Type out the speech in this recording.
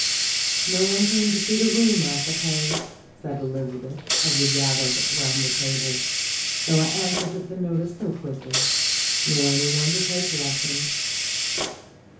" No one came to see the room, I suppose," said Elizabeth, as we gathered round the table, 38 0ittjg*& Jttolljs. "though I answered the notice so quickly; nor any one to take lessons."